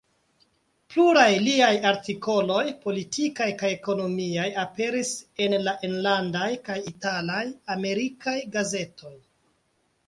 Pluraj liaj artikoloj politikaj kaj ekonomiaj aperis en la enlandaj kaj italaj, amerikaj gazetoj.